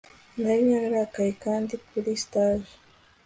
nari nararakaye, kandi, kuri stage